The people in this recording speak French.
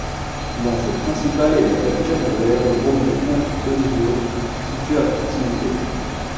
L'enjeu principal est la capture de l'aérodrome de Ponte Olivo situé à proximité.